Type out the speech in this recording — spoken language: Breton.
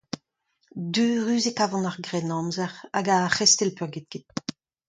Deurus e kavan ar Grennamzer, hag ar c'hestell peurgetket.